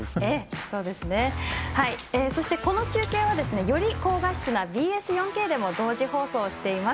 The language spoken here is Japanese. この中継はより高画質なＢＳ４Ｋでも同時中継しています。